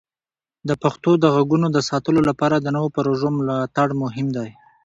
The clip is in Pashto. د پښتو د غږونو د ساتلو لپاره د نوو پروژو ملاتړ مهم دی.